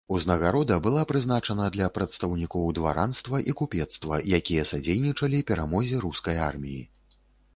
Узнагарода была прызначана для прадстаўнікоў дваранства і купецтва, якія садзейнічалі перамозе рускай арміі.